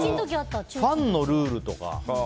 ファンのルールとか。